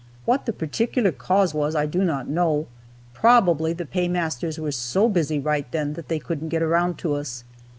What the particular cause was I do not know; probably the paymasters were so busy right then that they couldn't get around to us.